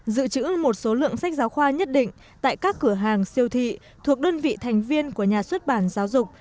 dự trữ một số lượng sách giáo khoa nhất định tại các cửa hàng siêu thị thuộc đơn vị thành viên của nhà xuất bản giáo dục